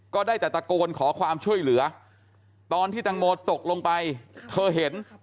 ก็ได้แต่ตะโกนขอความช่วยเหลือตอนที่ตังโมตกลงไปเธอเห็น